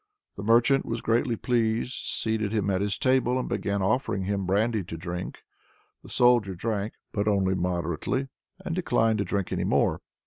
The merchant was greatly pleased, seated him at his table, and began offering him brandy to drink. The Soldier drank, but only moderately, and declined to drink any more.